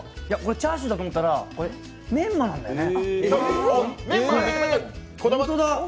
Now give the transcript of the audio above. チャーシューだと思ったら、メンマなのね。